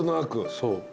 そう。